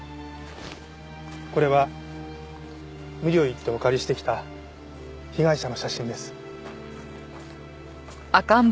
これは無理を言ってお借りしてきた被害者の写真です。